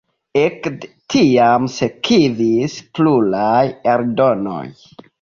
Ekde tiam sekvis pluraj eldonoj.